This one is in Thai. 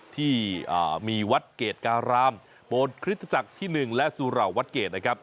ที่มีวัดเกรดการามโบสถคริสตจักรที่๑และสุเหล่าวัดเกรดนะครับ